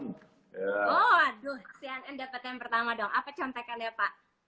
oh aduh si anand dapat yang pertama dong apa contekannya pak